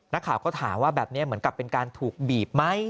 นักข่าวก็ถามว่าแบบนี้เหมือนกับเป็นการถูกบีบไหม